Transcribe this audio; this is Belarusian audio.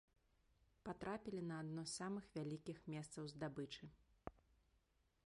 Патрапілі на адно з самых вялікіх месцаў здабычы.